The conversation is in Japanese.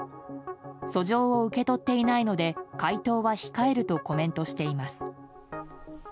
訴状を受け取っていないので回答は控えるとコメントしています。